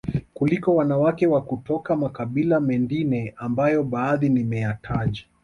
kuliko wanawake wa kutoka makabila mendine ambayo badhi nimeyataja